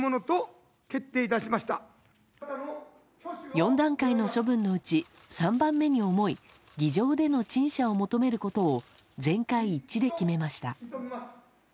４段階の処分のうち３番目に重い議場での陳謝を求めることを全会一致で決めました。